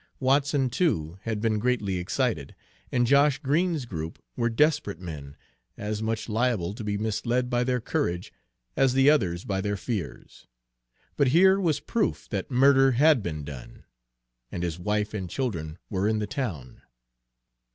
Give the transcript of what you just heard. Watson, too, had been greatly excited, and Josh Green's group were desperate men, as much liable to be misled by their courage as the others by their fears; but here was proof that murder had been done, and his wife and children were in the town.